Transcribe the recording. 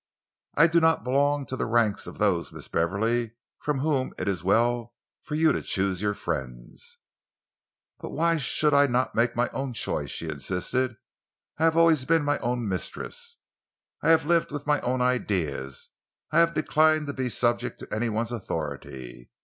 "I do not belong to the ranks of those, Miss Beverley, from whom it is well for you to choose your friends." "But why should I not make my own choice?" she insisted. "I have always been my own mistress. I have lived with my own ideas, I have declined to be subject to any one's authority.